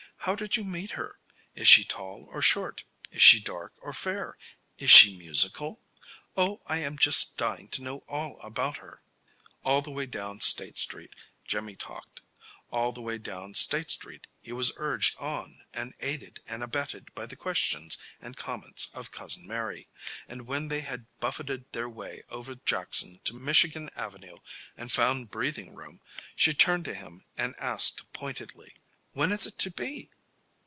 How did you meet her? Is she tall or short? Is she dark or fair? Is she musical? Oh, I am just dying to know all about her!" All the way down State Street Jimmy talked. All the way down State Street he was urged on and aided and abetted by the questions and comments of Cousin Mary, and when they had buffeted their way over Jackson to Michigan Avenue and found breathing room, she turned to him and asked pointedly: "When is it to be?"